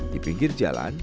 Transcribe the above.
di pinggir jalan